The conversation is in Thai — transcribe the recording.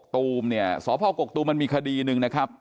ถูกหนะครับ